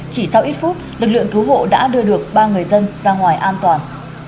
chỉ sau ít phút lực lượng cứu hộ đã đưa được ba người dân ra ngoài an toàn